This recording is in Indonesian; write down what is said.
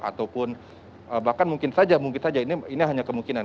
ataupun bahkan mungkin saja mungkin saja ini hanya kemungkinan